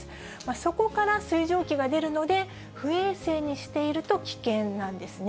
そこから水蒸気が出るので、不衛生にしていると危険なんですね。